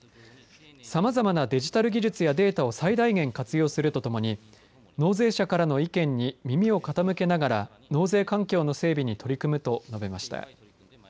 さまざまなデジタル技術やデータを最大限活用するとともに納税者からの意見に耳を傾けながら納税環境の整備に取り組むと述べました。